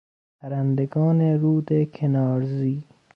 پرندگان رود کنارزی